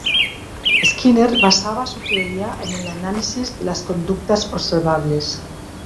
Skinner basaba su teoría en el análisis de las conductas observables.